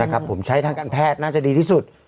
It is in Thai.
ผมใช้ทางการแพทย์น่าจะดีที่สุด